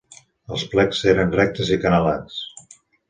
Els plecs eren rectes i acanalats.